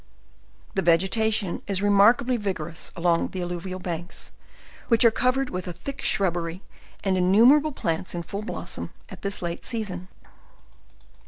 The vegetation is remarkably vigorous along the al luvial banks, which are covered with a thick shrubbery, and innumerable plants in full blossom at this late season.